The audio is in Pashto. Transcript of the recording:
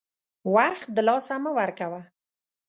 وخت دلاسه مه ورکوه !